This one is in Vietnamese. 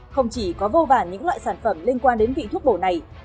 không chỉ có vô vàn những loại sản phẩm liên quan đến vị thuốc bổ này